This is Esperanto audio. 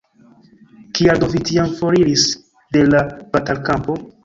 Kial do vi tiam foriris de la batalkampo?